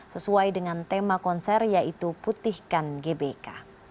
sesuai dengan tema konser yaitu putihkan gbk